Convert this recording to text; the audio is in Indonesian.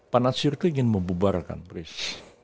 pak nasir itu ingin membubarkan brace